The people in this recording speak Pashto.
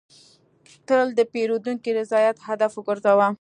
تل د پیرودونکي رضایت هدف وګرځوه.